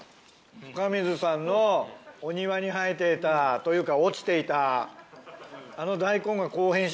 深水さんのお庭に生えていたというか。